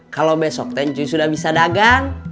kalau besok ncuye sudah bisa dagang